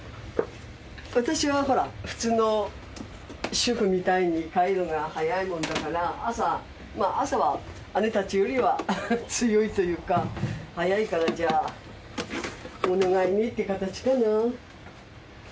私はほら普通の主婦みたいに帰るのが早いもんだから朝朝は姉たちよりは強いというか早いからじゃあお願いねって形かな。